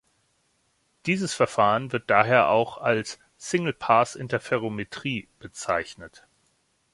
Dieses Verfahren wird daher auch als „Single-Pass-Interferometrie“ bezeichnet.